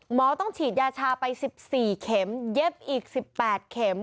หมอต้องฉีดยาชาไป๑๔เข็มเย็บอีก๑๘เข็ม